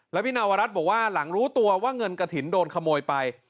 แล้วพี่นาวรัฐบอกว่าหลังรู้ตัวว่าเงินกระถิ่นโดนขโมยไป